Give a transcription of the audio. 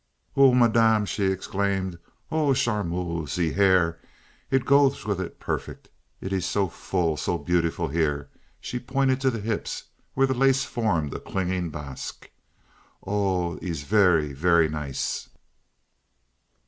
"Oh, Madame!" she exclaimed. "Oh, charmant! Ze hair, it go weeth it perfect. It ees so full, so beyutiful here"—she pointed to the hips, where the lace formed a clinging basque. "Oh, tees varee, varee nize."